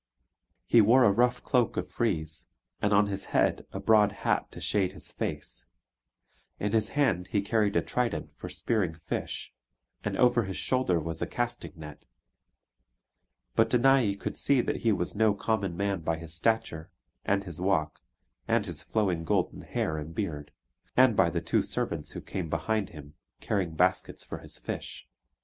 He wore a rough cloak of frieze, and on his head a broad hat to shade his face; in his hand he carried a trident for spearing fish, and over his shoulder was a casting net; but Danae could see that he was no common man by his stature, and his walk, and his flowing golden hair and beard; and by the two servants who came behind him, carrying baskets for his fish.